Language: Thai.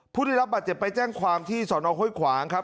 ผู้ได้รับบาดเจ็บไปแจ้งความที่สอนอห้วยขวางครับ